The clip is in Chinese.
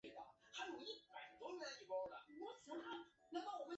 虚拟过山车直至太古站新出口建成连接商场地下才搬走。